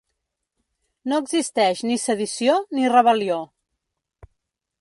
No existeix ni sedició ni rebel•lió.